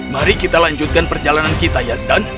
mari kita lanjutkan perjalanan kita yaskan